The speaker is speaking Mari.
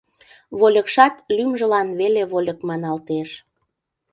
Вольыкшат лӱмжылан веле вольык маналтеш.